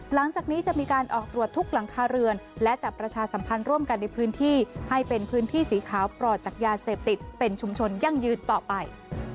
หลังจากนี้จะมีการออกตรวจทุกหลังคาเรือนและจับประชาสัมพันธ์ร่วมกันในพื้นที่ให้เป็นพื้นที่สีขาวปลอดจากยาเสพติดเป็นชุมชนยั่งยืนต่อไป